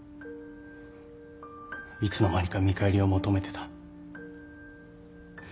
いつの間にか見返りを求めてた。